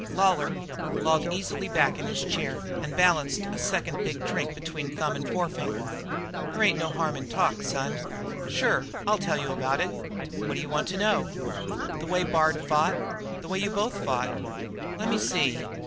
Lawlor lolled easily back in his chair and balanced a second large drink between thumb and forefinger. "There ain't no harm in talk, son; sure I'll tell you about it. What d'you want to know?" "The way Bard fought the way you both fought." "Lemme see."